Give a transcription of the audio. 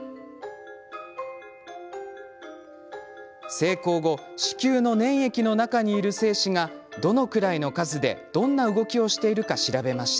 性交後子宮の粘液の中にいる精子がどのくらいの数でどんな動きをしているか調べました。